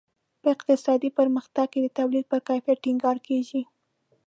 په اقتصادي پرمختګ کې د تولید پر کیفیت ټینګار کیږي.